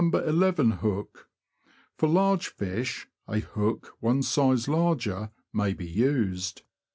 1 1 hook ; for large fish, a hook one size larger may be used.